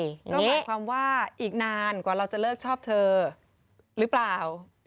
ก็หมายความว่าอีกนานกว่าเราจะเลิกชอบเธอหรือเปล่า